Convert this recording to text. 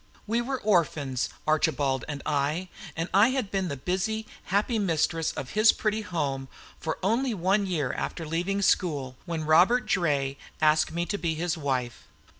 We were orphans, Archibald and I; and I had been the busy, happy mistress of his pretty home for only one year after leaving school, when Robert Draye asked me to be his wife.